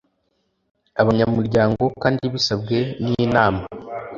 abanyamuryango kandi bisabwe n Inama